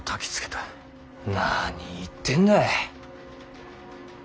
何言ってんだい。